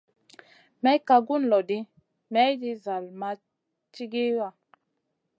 May ka gun lo ɗi, mayɗin zall ma cigiya.